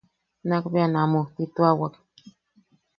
Nakbea ne mujtituawak.